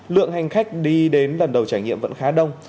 lượng hành khách đi đến lần đầu trải nghiệm vẫn khá đông